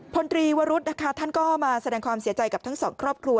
พลตรีวรุษนะคะท่านก็มาแสดงความเสียใจกับทั้งสองครอบครัว